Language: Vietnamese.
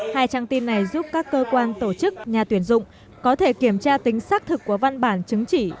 hai trang tin này giúp các cơ quan tổ chức nhà tuyển dụng có thể kiểm tra tính xác thực của văn bản chứng chỉ